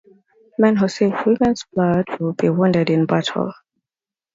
Men who see women's blood will be wounded in battle.